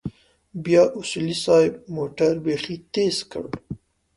بيا اصولي صيب موټر بيخي تېز کړ.